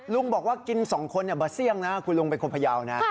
ลุงบอกว่ากิน๒คนบาเซี่ยงนะคุณลุงเป็นคนพยาวนะ